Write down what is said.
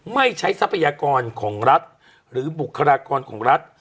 ไม่ใช้ทรัพยากรของรัฐหรือบุคลากรของรัฐ